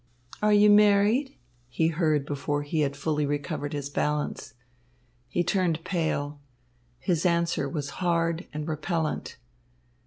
"Are you married?" he heard before he had fully recovered his balance. He turned pale. His answer was hard and repellent.